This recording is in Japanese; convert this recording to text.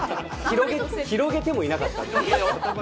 広げてもいなかったんで。